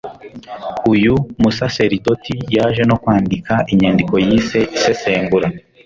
uyu musaseridoti yaje no kwandika inyandiko yise isesengura